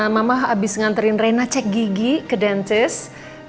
mama habis nganterin reina cek gigi ke dentist